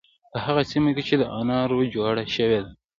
په هغه سیمه کې چې دا ناره جوړه شوې ده.